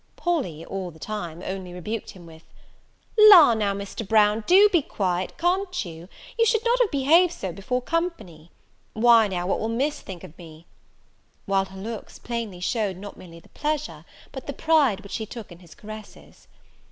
Polly, all the time, only rebuked him with, "La, now, Mr. Brown, do be quiet, can't you? you should not behave so before company. Why, now, what will Miss think of me?" While her looks plainly showed not merely the pleasure, but the pride which she took in his caresses.